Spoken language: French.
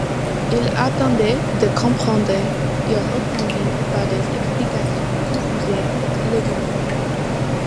Il attendait de comprendre, il répondit par des explications confuses, longuement.